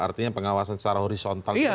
artinya pengawasan secara horizontal kan berjalan